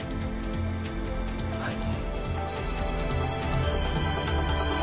はい。